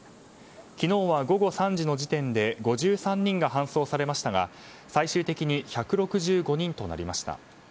昨日は午後３時の時点で５３人が搬送されましたが最終的に１６５人となりました。